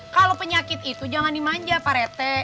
kalau penyakit itu jangan dimanja parete